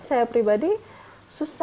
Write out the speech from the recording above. masih pake perangkat tanah mansur a